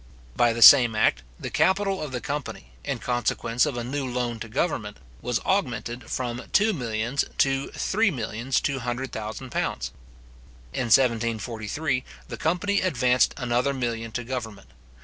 By the same act, the capital of the company, in consequence of a new loan to government, was augmented from two millions to three millions two hundred thousand pounds. In 1743, the company advanced another million to government.